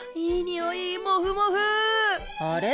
あれ？